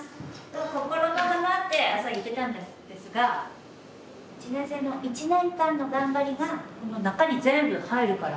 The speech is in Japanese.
心の花って朝言ってたんですが１年生の１年間の頑張りがこの中に全部入るから。